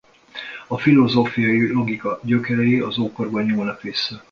A filozófiai logika gyökerei az ókorba nyúlnak vissza.